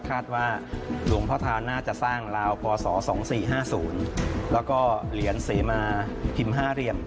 คาดว่าหลวงพ่อธาน่าจะสร้างลาวพศ๒๔๕๐แล้วก็เหรียญเสมาพิมพ์๕เหรียญ